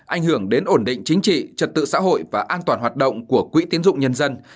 ảnh hưởng đến ổn định chính trị trật tự xã hội và an toàn hoạt động của quỹ tiến dụng nhân dân